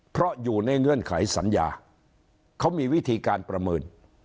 เพราะอยู่ในเงื่อนไขสัญญาเขามีวิธีการประเมิน